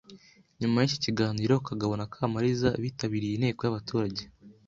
Nyuma y’iki kiganiro Kagabo na Kamariza bitabiriye inteko y’abaturage